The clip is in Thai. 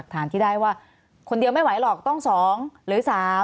ฐานที่ได้ว่าคนเดียวไม่ไหวหรอกต้อง๒หรือ๓